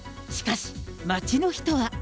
しかし、街の人は。